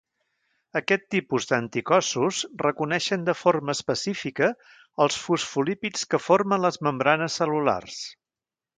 Aquest tipus d'anticossos reconeixen de forma específica els fosfolípids que formen les membranes cel·lulars.